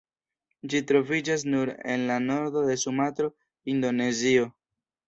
Ĝi troviĝas nur en la nordo de Sumatro, Indonezio.